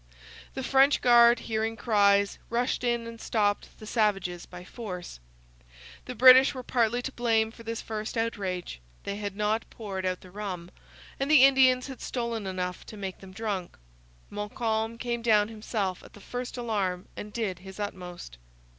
The French guard, hearing cries, rushed in and stopped the savages by force. The British were partly to blame for this first outrage: they had not poured out the rum, and the Indians had stolen enough to make them drunk. Montcalm came down himself, at the first alarm, and did his utmost.